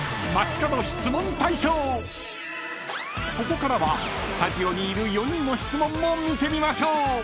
［ここからはスタジオにいる４人の質問も見てみましょう！］